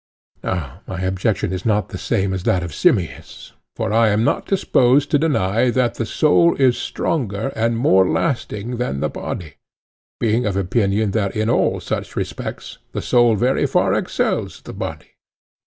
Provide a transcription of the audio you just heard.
Now my objection is not the same as that of Simmias; for I am not disposed to deny that the soul is stronger and more lasting than the body, being of opinion that in all such respects the soul very far excels the body.